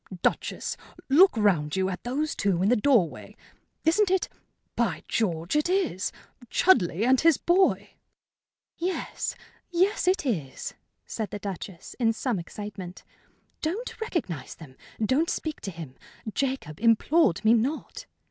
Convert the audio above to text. "Duchess, look round you, at those two in the doorway. Isn't it by George, it is! Chudleigh and his boy!" "Yes yes, it is," said the Duchess, in some excitement. "Don't recognize them. Don't speak to him. Jacob implored me not."